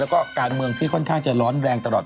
แล้วก็การเมืองที่ค่อนข้างจะร้อนแรงตลอด